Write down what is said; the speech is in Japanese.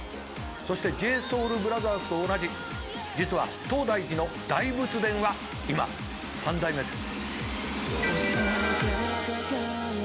そしてＪＳＯＵＬＢＲＯＴＨＥＲＳと同じ実は東大寺の大仏殿は今三代目です。